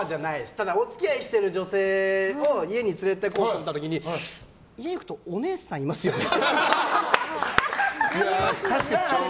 ただ、お付き合いしてる女性を家に連れていこうと思った時に家行くとお姉さんいますよね？